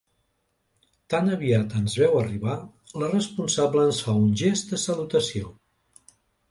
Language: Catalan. Tan aviat ens veu arribar, la responsable ens fa un gest de salutació.